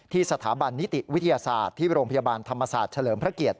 สถาบันนิติวิทยาศาสตร์ที่โรงพยาบาลธรรมศาสตร์เฉลิมพระเกียรติ